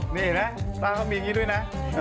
นี่ไหมป้าเค้ามีอย่างนี้ด้วยนะ